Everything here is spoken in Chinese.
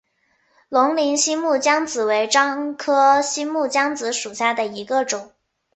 龙陵新木姜子为樟科新木姜子属下的一个种。